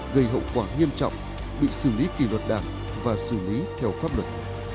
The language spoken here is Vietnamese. gây hậu quả nghiêm trọng bị xử lý kỳ luật đảng và xử lý theo pháp luật